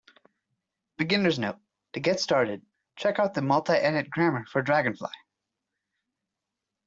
Beginner's note: to get started, check out the multiedit grammar for dragonfly.